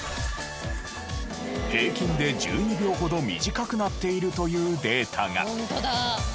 平均で１２秒ほど短くなっているというデータが。